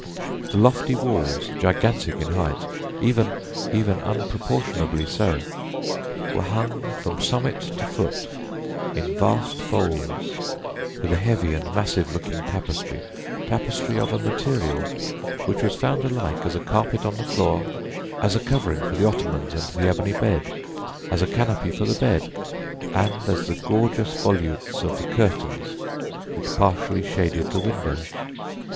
The lofty walls, gigantic in height even unproportionably so were hung from summit to foot, in vast folds, with a heavy and massive looking tapestry tapestry of a material which was found alike as a carpet on the floor, as a covering for the ottomans and the ebony bed, as a canopy for the bed, and as the gorgeous volutes of the curtains which partially shaded the window.